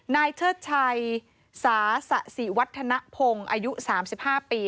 เชิดชัยสาสะสิวัฒนภงอายุ๓๕ปี